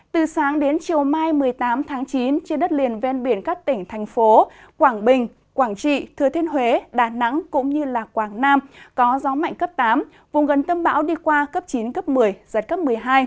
từ sáng đến chiều mai một mươi tám tháng chín trên đất liền ven biển các tỉnh thành phố quảng bình quảng trị thừa thiên huế đà nẵng cũng như quảng nam có gió mạnh cấp tám vùng gần tâm bão đi qua cấp chín cấp một mươi giật cấp một mươi hai